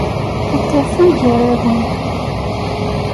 Ad t-tafem gar-awen.